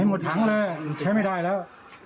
หมดถังเลยใช้ไม่ได้แล้ว